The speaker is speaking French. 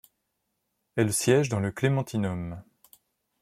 Elle siège dans le Clementinum.